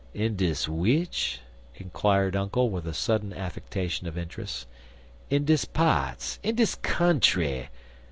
"In dis w'ich?" inquired Uncle with a sudden affectation of interest. "In dis pa'ts. In dis country.